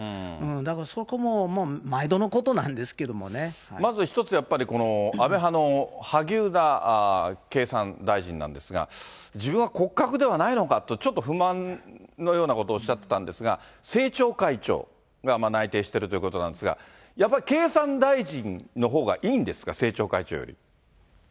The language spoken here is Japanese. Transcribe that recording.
だから、そこももう毎度のことなまず一つ、やっぱり安倍派の萩生田経産大臣なんですが、自分は骨格ではないのかと、ちょっと不満のようなことをおっしゃったんですが、政調会長が内定してるということなんですが、やっぱり経産大臣のほうがいいんですか、政調会長より。